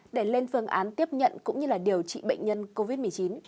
để lên phương án tiếp nhận cũng như điều trị bệnh nhân covid một mươi chín